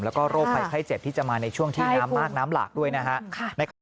แล้วก็โรคภัยไข้เจ็บที่จะมาในช่วงที่น้ำมากน้ำหลากด้วยนะครับ